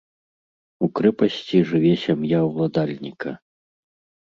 У крэпасці жыве сям'я ўладальніка.